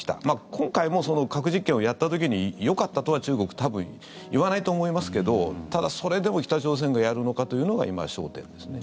今回も核実験をやった時によかったとは中国、多分言わないと思いますけどただ、それでも北朝鮮がやるのかというのが今、焦点ですね。